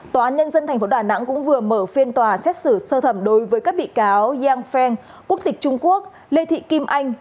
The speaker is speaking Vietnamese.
tòa án nhân dân tp đà nẵng cũng vừa mở phiên tòa xét xử sơ thẩm đối với các bị cáo yang feng quốc tịch trung quốc lê thị kim anh